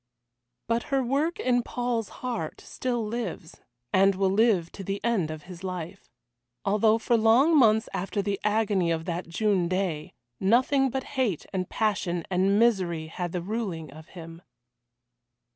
But her work in Paul's heart still lives, and will live to the end of his life. Although for long months after the agony of that June day, nothing but hate and passion and misery had the ruling of him.